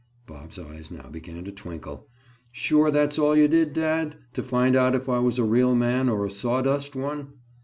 Bob's eyes now began to twinkle. "Sure that's all you did, dad, to find out if I was a real man or a sawdust one?"